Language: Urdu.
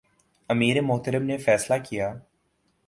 امیر محترم نے فیصلہ کیا